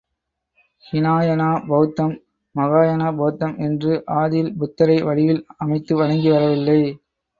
ஹினாயனா பௌத்தம், மகாயானா பௌத்தம் என்று, ஆதியில் புத்தரை வடிவில் அமைத்து வணங்கி வரவில்லை.